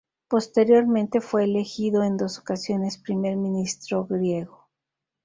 Posteriormente fue elegido en dos ocasiones primer ministro griego.